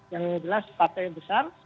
yang jelas partai besar